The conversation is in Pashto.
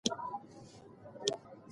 کورنۍ ماشومانو ته تعلیمي مواد نه برابروي.